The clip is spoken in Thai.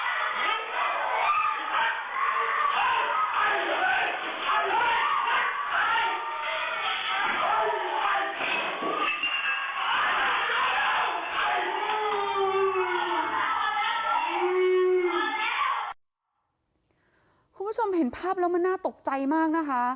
คุณผู้ชมเห็นภาพแล้วมันน่าตกใจมากนะคะ